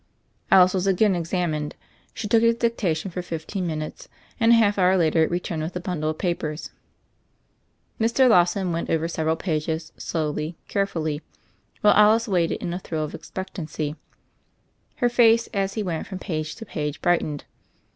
Alice was again examined. She took his die THE FAIRY OF THE SNOWS 209 tatlon for fifteen minutes, and a half hour later returned with a bundle of papers. Mr. Lawson went over several pages slowly, carefully; while Alice waited in a thrill of ex pectancy. His face, as he went from page to page, brightened.